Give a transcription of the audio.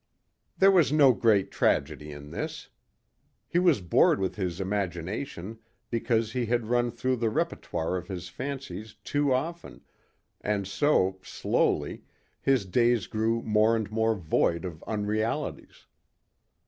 There was no great tragedy in this. He was bored with his imagination because he had run through the repertoire of his fancies too often and so, slowly, his days grew more and more void of unrealities.